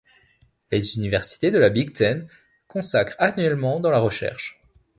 Les universités de la Big Ten consacrent annuellement dans la recherche.